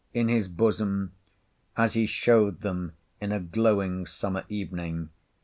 —in his bosom, as he showed them in a glowing summer evening.